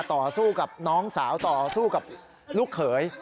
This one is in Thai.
ต่อสู้กับน้องสาวต่อสู้กับลูกเขย